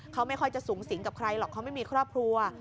เขาไม่ค่อยจะสูงสิงกับใครหรอกเขาไม่มีครอบครัว